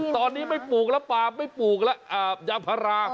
ตอนนี้ไม่ปลูกแล้วปลาไม่ปลูกแล้วยางพารา